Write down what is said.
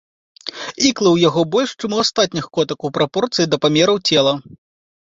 Іклы ў яго больш, чым у астатніх котак ў прапорцыі да памераў цела.